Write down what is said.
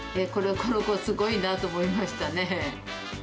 この子すごいなと思いましたね。